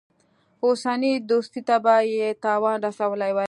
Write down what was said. اوسنۍ دوستۍ ته به یې تاوان رسولی وای.